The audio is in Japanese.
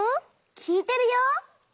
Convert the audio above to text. きいてるよ。